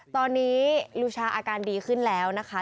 ตอนนี้ลูชาอาการดีขึ้นแล้วนะคะ